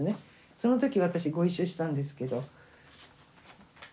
その時私ご一緒したんですけど。